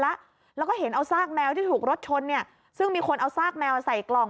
แล้วแล้วก็เห็นเอาซากแมวที่ถูกรถชนเนี่ยซึ่งมีคนเอาซากแมวใส่กล่อง